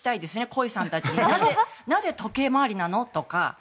コイさんたちになぜ時計回りなの？とか。